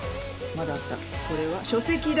まだあったこれは書籍代。